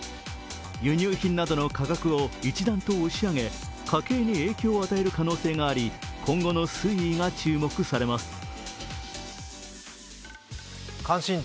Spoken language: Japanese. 輸入品などの価格を一段と押し上げ家計に影響を与える可能性があり今後の推移が注目されます。